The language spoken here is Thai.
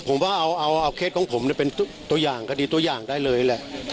ผมว่าเอาเคสของผมเป็นตัวอย่างได้เลยแหละ